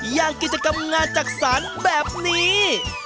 อย่างกิจกรรมงานจักษานแบบนี้